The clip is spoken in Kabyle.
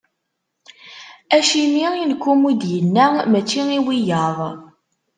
Acimi i nekk umi d-inna mačči i wiyiḍ?